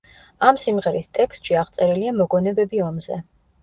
ამ სიმღერის ტექსტში აღწერილია მოგონებები ომზე.